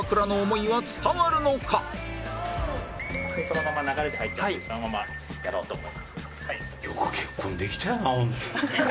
そのまま流れで入っちゃってそのままやろうと思います。